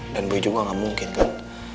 dan boy juga gak mungkin kan